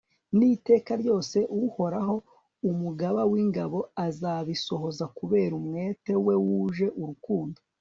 n'iteka ryose. uhoraho umugaba w'ingabo azabisohoza kubera umwete we wuje urukundo